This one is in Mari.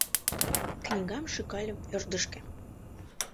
Книгам шӱкальым ӧрдыжкӧ